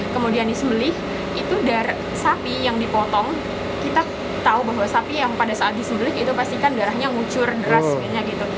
kemudian disembelih itu sapi yang dipotong kita tahu bahwa sapi yang pada saat disuduk itu pastikan darahnya ngucur deras gitu